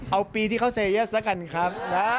เอาปีที่เขาเซเยสแล้วกันครับ